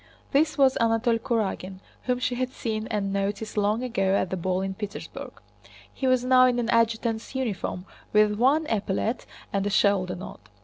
This was Anatole Kurágin whom she had seen and noticed long ago at the ball in Petersburg. He was now in an adjutant's uniform with one epaulet and a shoulder knot.